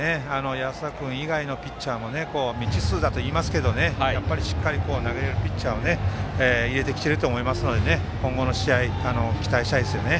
安田君以外のピッチャーも未知数だといいますけどしっかり投げられるピッチャーを入れてきていると思いますので今後の試合、期待したいですね。